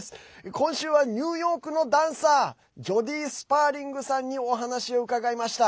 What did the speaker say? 今週はニューヨークのダンサージョディー・スパーリングさんにお話を伺いました。